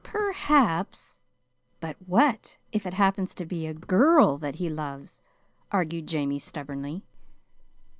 "Perhaps; but what if it happens to be a GIRL that he loves?" argued Jamie, stubbornly.